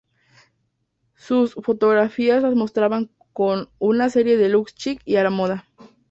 Sus fotografías la mostraban con "una serie de looks chic y a la moda".